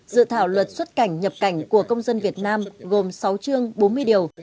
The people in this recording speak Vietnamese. dự thảo luật xuất cảnh nhập cảnh của công dân việt nam gồm sáu chương bốn mươi điều